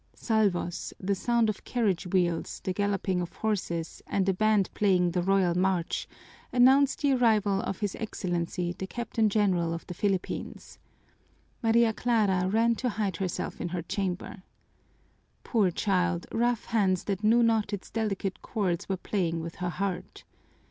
Salvos, the sound of carriage wheels, the galloping of horses, and a band playing the royal march, announced the arrival of his Excellency, the Captain General of the Philippines. Maria Clara ran to hide herself in her chamber. Poor child, rough hands that knew not its delicate chords were playing with her heart!